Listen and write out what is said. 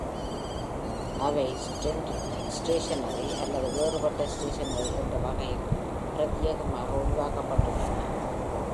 அவை trend stationery அல்லது வேறுபட்ட ஸ்டேஷனரி என்ற வகையில் பிரத்யேகமாக உருவாக்கப் பட்டுள்ளன.